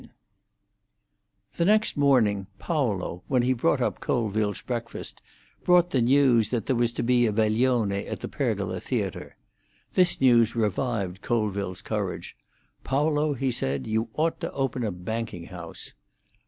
IX The next morning Paolo, when he brought up Colville's breakfast, brought the news that there was to be a veglione at the Pergola Theatre. This news revived Colville's courage. "Paolo," he said, "you ought to open a banking house."